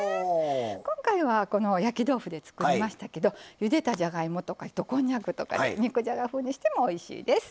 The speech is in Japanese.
今回はこの焼き豆腐で作りましたけどゆでたじゃがいもとか糸こんにゃくとかで肉じゃが風にしてもおいしいです。